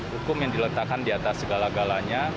hukum yang diletakkan di atas segala galanya